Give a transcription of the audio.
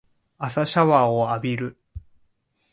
朝シャワーを浴びる